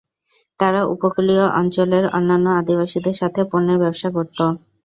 তারা উপকূলীয় অঞ্চলের অন্যান্য আদিবাসীদের সাথে পণ্যের ব্যবসা করত।